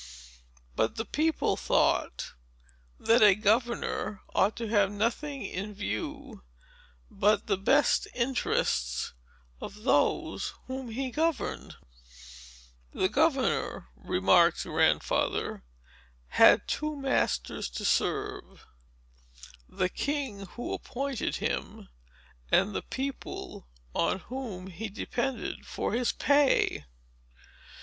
But the people thought, that a governor ought to have nothing in view, but the best interests of those whom he governed. "The governor," remarked Grandfather, "had two masters to serve—the king, who appointed him, and the people, on whom he depended for his pay.